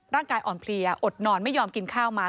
ร่างกายอ่อนเพลียอดดนอนไม่ยอมกินข้าวมา